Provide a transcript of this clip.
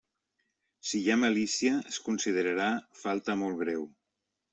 Si hi ha malícia, es considerarà falta molt greu.